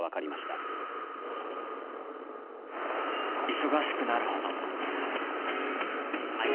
忙しくなるほどはい！